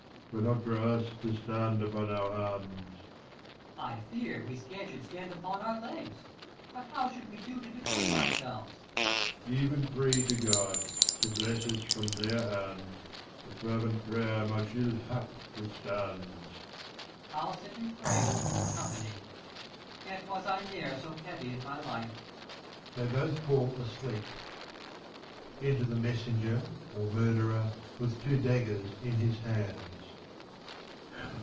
Lelr. 'Twere not for us to stand upon our hands. Per. I fear, we scant should stand upon our legs. But how should we do to defend ourselves ? 1 5 Lelr. Even pray to God, to bless us from their hands : For fervent prayer much ill hap withstands. Per. I'll sit and pray with you for company ; 1 8 Yet was I ne'er so heavy in my life. [They fall both asleep. Enter the Messenger, or murderer, 'with two daggers in his hands. Mess.